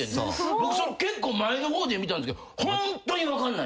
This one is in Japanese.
僕結構前の方で見たんすけどホントに分かんないんすよ。